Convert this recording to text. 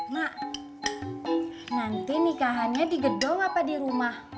mak nanti nikahannya di gedung apa di rumah